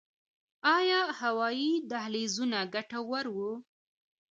آیا هوایي دهلیزونه ګټور وو؟